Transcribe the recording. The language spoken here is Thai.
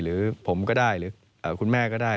หรือผมก็ได้หรือคุณแม่ก็ได้